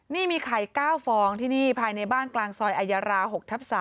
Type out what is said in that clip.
นี่มีไข่๙ฟองที่นี่ภายในบ้านกลางซอยอายารา๖ทับ๓